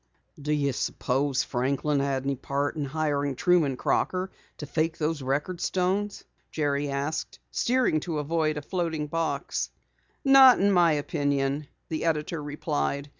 "Do you suppose Franklin had any part in hiring Truman Crocker to fake those record stones?" Jerry asked, steering to avoid a floating box. "Not in my opinion," the editor replied.